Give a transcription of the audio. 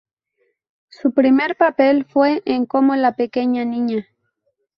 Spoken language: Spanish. Su primer papel fue en como la pequeña niña.